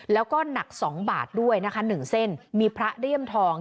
แล้วก็หนัก๒บาทด้วยนะคะหนึ่งเส้นมีพระเลี่ยมทอง